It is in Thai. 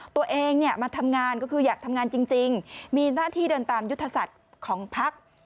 ตัวเองมาทำงานก็คืออยากทำงานจริงมีหน้าที่เดินตามยุทธศาสตร์ของพัก